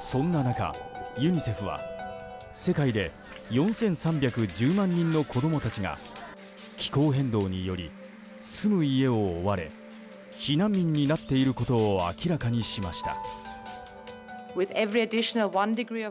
そんな中、ユニセフは世界で４３１０万人の子供たちが気候変動により住む家を追われ避難民になっていることを明らかにしました。